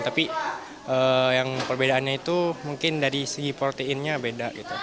tapi yang perbedaannya itu mungkin dari segi proteinnya beda gitu